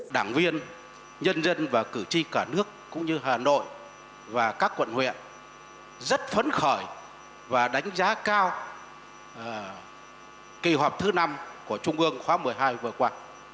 đảng viên nhân dân và cử tri cả nước cũng như hà nội và các quận huyện rất phấn khởi và đánh giá cao kỳ họp thứ năm của trung ương khóa một mươi hai vừa qua